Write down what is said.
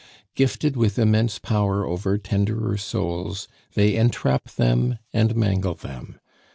Gifted with immense power over tenderer souls, they entrap them and mangle them.